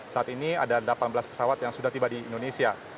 saat ini ada delapan belas pesawat yang sudah tiba di indonesia